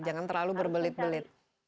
jangan terlalu berbelit belit